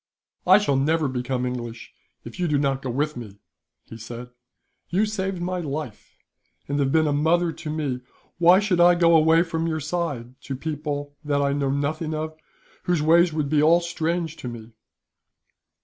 "I shall never become English, if you do not go with me," he said. "You saved my life, and have been a mother to me. Why should I go away from your side, to people that I know nothing of, whose ways would be all strange to me?"